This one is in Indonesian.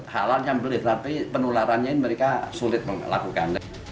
halal menyembeli tapi penularannya ini mereka sulit melakukan